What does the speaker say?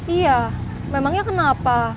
iya memangnya kenapa